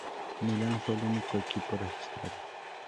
Milan fue el único equipo registrado.